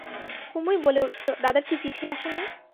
কুমুই বলে উঠল, দাদার কি চিঠি আসে নি?